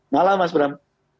malam mas bram